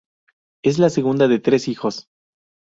Es la segunda de tres hijos.